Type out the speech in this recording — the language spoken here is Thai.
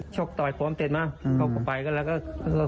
ชกต่อยผมจริงเต็มมาเดี๋ยวก่อนก็ไปแล้วก็